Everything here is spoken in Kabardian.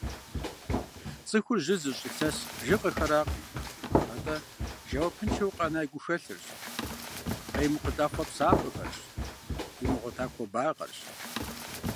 Цӏыхур жьы зыщӏыр илъэс бжыгъэракъым, атӏэ жэуапыншэу къэна и гухэлъхэрщ, къеймыхъулӏа хъуэпсапӏэхэрщ, имыгъуэта хуэбагъэрщ.